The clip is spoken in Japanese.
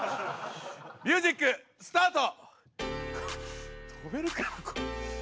ミュージックスタート！